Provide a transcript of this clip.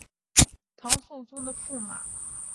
唐肃宗的驸马。